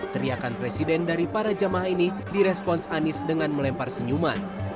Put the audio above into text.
teriakan presiden dari para jamaah ini direspons anies dengan melempar senyuman